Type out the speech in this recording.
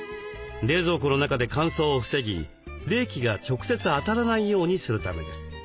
冷蔵庫の中で乾燥を防ぎ冷気が直接当たらないようにするためです。